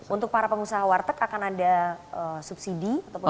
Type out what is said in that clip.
untuk para pengusaha warteg akan ada subsidi ataupun